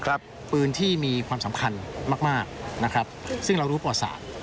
ปืนที่มีความสำคัญมากมากนะครับซึ่งเรารู้ประวัติศาสตร์